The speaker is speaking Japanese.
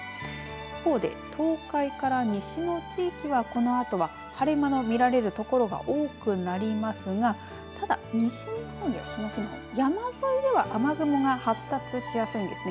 一方で東海から西の地域はこのあとは晴れ間の見られる所が多くなりますがただ、西日本、東日本山沿いでは雨雲が発達しやすいんですね。